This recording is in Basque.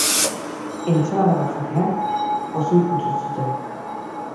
Entsalada bat jatean, pozoitu zuten.